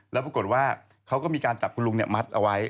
แล้วปรากฏว่าเขาก็มีการจับคุณลุงมัดเอาไว้